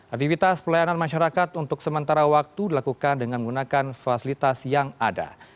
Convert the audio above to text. aktivitas pelayanan masyarakat untuk sementara waktu dilakukan dengan menggunakan fasilitas yang ada